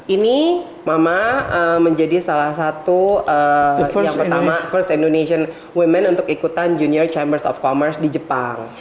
ini mama menjadi salah satu yang pertama first indonesian women untuk ikutan junior chambers of commerce di jepang